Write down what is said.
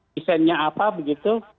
desainnya apa begitu